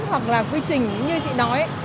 hoặc là quy trình như chị nói